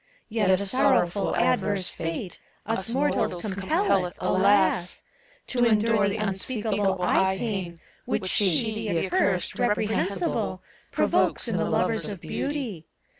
Yet a sorrowful adverse fate, Us mortals compelleth, alas ! To endure the unspeakable eye pain Which She, the accurst, reprehensible, Provokes in the lovers of Beauty.